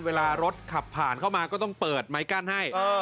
เวลารถขับผ่านเข้ามาก็ต้องเปิดไม้กั้นให้